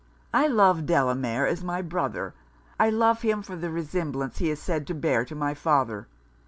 I love Delamere as my brother; I love him for the resemblance he is said to bear to my father.